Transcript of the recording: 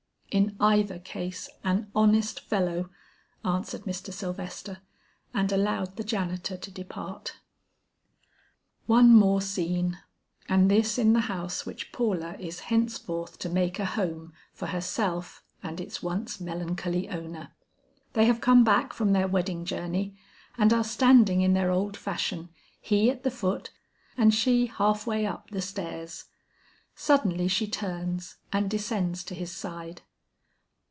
"In either case an honest fellow," answered Mr. Sylvester, and allowed the janitor to depart. One more scene, and this in the house which Paula is henceforth to make a home for herself and its once melancholy owner. They have come back from their wedding journey, and are standing in their old fashion, he at the foot, and she half way up the stairs. Suddenly she turns and descends to his side.